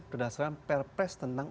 berdasarkan perpes tentang